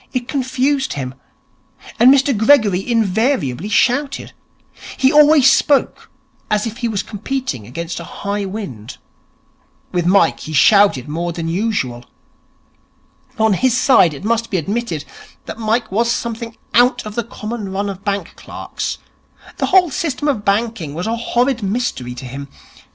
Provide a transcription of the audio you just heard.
It confused him. And Mr Gregory invariably shouted. He always spoke as if he were competing against a high wind. With Mike he shouted more than usual. On his side, it must be admitted that Mike was something out of the common run of bank clerks. The whole system of banking was a horrid mystery to him.